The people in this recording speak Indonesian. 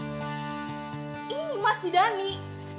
dia dateng dateng tiba tiba mau ngajakin ribut lah si gino